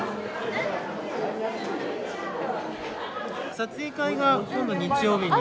撮影会が今度日曜日に。